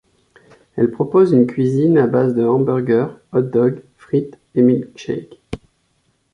Elle propose une cuisine à base de hamburgers, hot-dogs, frites et milk-shakes.